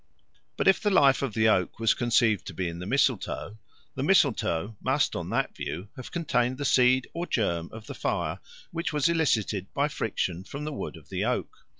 But if the life of the oak was conceived to be in the mistletoe, the mistletoe must on that view have contained the seed or germ of the fire which was elicited by friction from the wood of the oak.